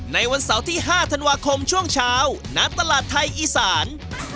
ในวันเสาร์ที่๕ธันวาคมช่วงเช้าณตลาดไทยอีสาน